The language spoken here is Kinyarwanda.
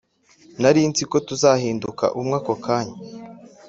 nari nzi ko tuzahinduka umwe ako kanya